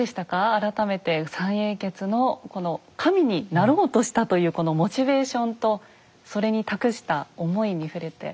改めて三英傑のこの神になろうとしたというこのモチベーションとそれに託した思いに触れて。